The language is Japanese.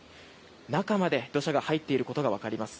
中まで土砂が入っていることが分かります。